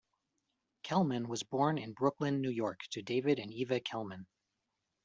Kelman was born in Brooklyn, New York to David and Eva Kelman.